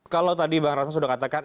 kalau tadi bang ratna sudah katakan